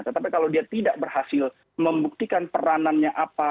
tetapi kalau dia tidak berhasil membuktikan peranannya apa